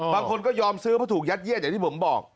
บางคนก็ยอมซื้อเพราะถูกยัดเยียดอย่างที่ผมบอก